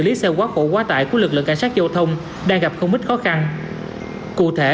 lý xe quá khổ quá tải của lực lượng cảnh sát giao thông đang gặp không ít khó khăn cụ thể